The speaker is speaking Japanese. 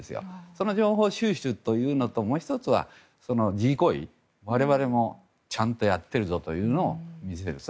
その情報収集というのともう１つは示威行為我々もちゃんとやっているぞというのを見せる。